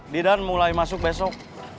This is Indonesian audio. di dan mulai masuk besok